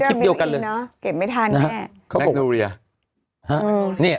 คลิปเดียวกันเลยเนอะเก็บไม่ทันแน่เขาบอกดูเรียฮะเนี่ย